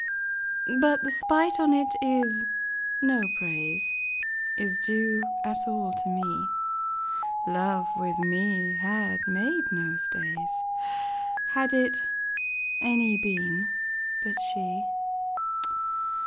But the spite on 't is, no praiseIs due at all to me:Love with me had made no stays, Had it any been but she.